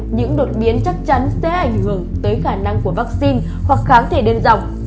những đột biến chắc chắn sẽ ảnh hưởng tới khả năng của vaccine hoặc kháng thể đơn dọc